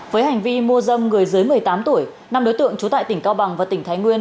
với hành vi mua dâm người dưới một mươi tám tuổi năm đối tượng trú tại tỉnh cao bằng và tỉnh thái nguyên